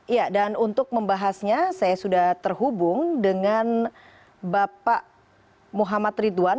ya dan untuk membahasnya saya sudah terhubung dengan bapak muhammad ridwan